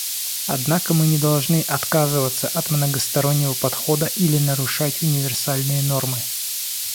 Однако мы не должны отказываться от многостороннего подхода или нарушать универсальные нормы.